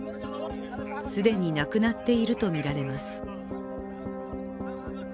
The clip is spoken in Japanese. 既に亡くなっているとみられます。